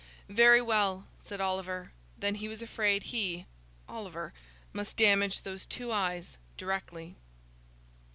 Very well, said Oliver, then he was afraid he (Oliver) must damage those two eyes directly.